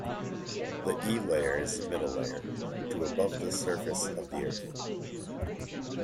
The E layer is the middle layer, to above the surface of the Earth.